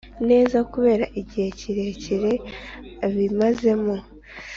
neza kubera igihe kirekire abimazemo